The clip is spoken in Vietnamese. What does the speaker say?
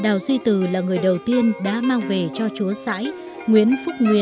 nguyễn phúc nguyễn phúc nguyễn là người đầu tiên đã mang về cho chúa sãi nguyễn phúc nguyễn